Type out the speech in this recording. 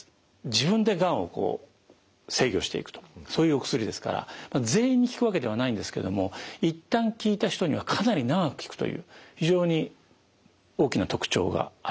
自分でがんを制御していくとそういうお薬ですから全員に効くわけではないんですけども一旦効いた人にはかなり長く効くという非常に大きな特徴があります。